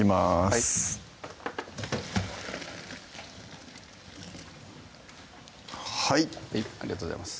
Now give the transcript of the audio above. はいはいありがとうございます